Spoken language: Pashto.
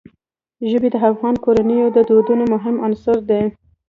ژبې د افغان کورنیو د دودونو مهم عنصر دی.